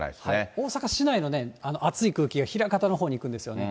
大阪市内の熱い空気が枚方のほうに行くんですよね。